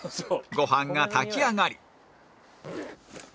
ご飯が炊き上がり